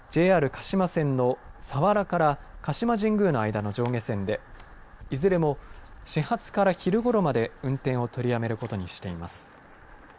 ＪＲ鹿島線の佐原から鹿島神宮の間の上下線でいずれも始発から昼ごろまで運転を取りやめることにしています。